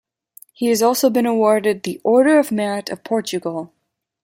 He has also been awarded the Order of Merit of Portugal.